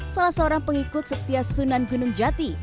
salah seorang pengikut setia sunan gunung jati